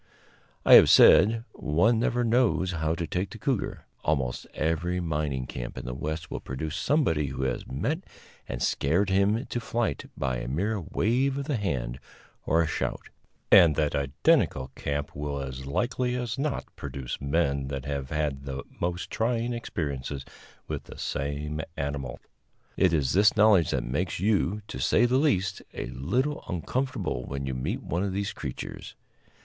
I have said, one never knows how to take the cougar. Almost every mining camp in the West will produce somebody who has met and scared him to flight by a mere wave of the hand or a shout, and that identical camp will as like as not produce men that have had the most trying experiences with the same animal. It is this knowledge that makes you, to say the least, a little uncomfortable when you meet one of these creatures.